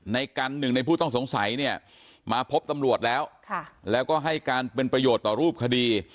ในกันหนึ่งในผู้ต้องสงสัยเนี่ยมาพบตำรวจแล้วแล้วก็ให้การเป็นประโยชน์ต่อรูปคดี